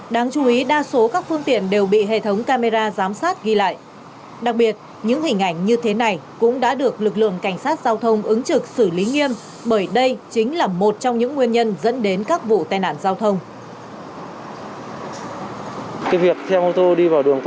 đáng chú ý cũng trong thời gian nghỉ lễ lực lượng cảnh sát giao thông toàn quốc đã xử lý hơn bốn trường hợp vi phạm giao thông